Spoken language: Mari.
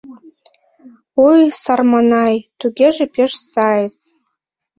— Ой, сарманай, тугеже пеш сайыс!